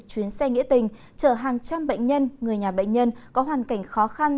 chuyến xe nghĩa tình chở hàng trăm bệnh nhân người nhà bệnh nhân có hoàn cảnh khó khăn